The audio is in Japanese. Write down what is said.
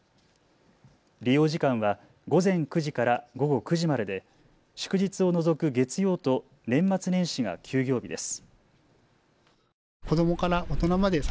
利用時間は午前９時から午後９時までで、祝日を除く月曜と年末年始が休業日です。